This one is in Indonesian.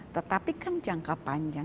tetapi kan jangka panjang